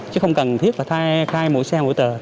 chứ không cần thiết phải khai mỗi xe mỗi tờ